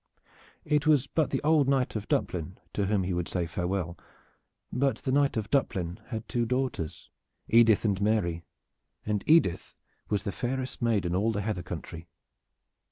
It was but the old Knight of Duplin to whom he would say farewell; but the Knight of Duplin had two daughters, Edith and Mary, and Edith was the fairest maid in all the heather country.